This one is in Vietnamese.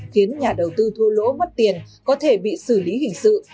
khiến nhà đầu tư thua lỗ mất tiền có thể bị xử lý hình sự